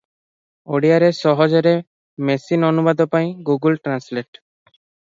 ଓଡ଼ିଆରେ ସହଜରେ ମେସିନ-ଅନୁବାଦ ପାଇଁ ଗୁଗୁଲ ଟ୍ରାନ୍ସଲେଟ ।